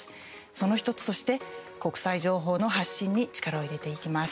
その１つとして国際情報の発信に力を入れていきます。